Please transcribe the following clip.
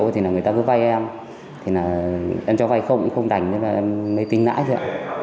thì là em cho vai không không đành em lấy tính nãi thôi ạ